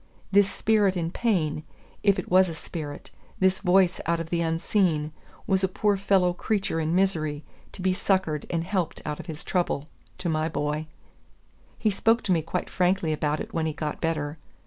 This spirit in pain, if it was a spirit, this voice out of the unseen, was a poor fellow creature in misery, to be succored and helped out of his trouble, to my boy. He spoke to me quite frankly about it when he got better.